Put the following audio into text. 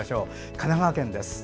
神奈川県です。